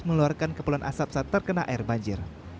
mengeluarkan kepulan asap saat terkena air banjir